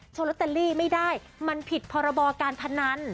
ลอตเตอรี่ไม่ได้มันผิดพรบการพนัน